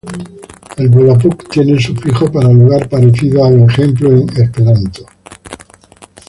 El volapük tiene un sufijo para lugar, parecido al "-ej-" en el Esperanto.